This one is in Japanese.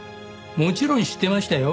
もちろん知ってましたよ。